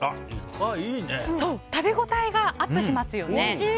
食べ応えがアップしますよね。